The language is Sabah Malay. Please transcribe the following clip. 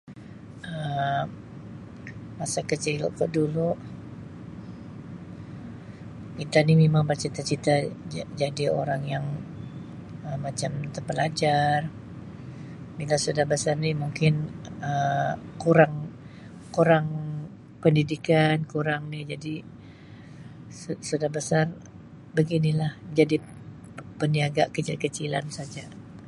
Um Masa kecilku dulu, kita ni memang bercita-cita ja-jadi orang yang Um macam terpelajar, bila sudah besar ni mungkin kurang-kurang pendidikan, kurang ni jadi su-sudah besar beginilah jadi peniaga kecil-kecilan saja.